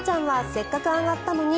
せっかく上がったのに。